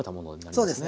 そうですね。